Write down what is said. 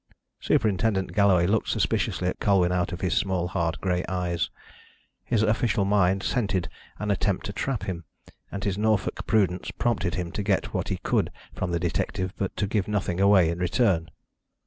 Superintendent Galloway looked suspiciously at Colwyn out of his small hard grey eyes. His official mind scented an attempt to trap him, and his Norfolk prudence prompted him to get what he could from the detective but to give nothing away in return.